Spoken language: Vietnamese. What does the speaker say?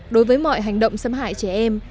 đối với mọi hành động xâm hại trẻ em